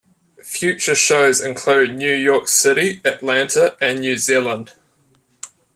Future shows include New York City, Atlanta and New Zealand.